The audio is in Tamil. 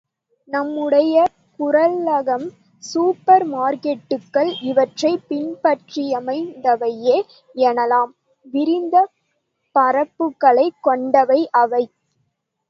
நம்முடைய குறளகம் சூப்பர் மார்க்கெட்டுகள் இவற்றைப் பின்பற்றியமைந்தவையே எனலாம். விரிந்த பரப்புகளைக் கொண்டவை அவை.